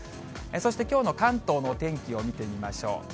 そしてきょうの関東のお天気を見てみましょう。